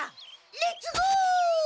レッツゴー！